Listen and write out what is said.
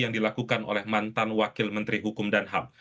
yang dilakukan oleh mantan wakil menteri hukum dan ham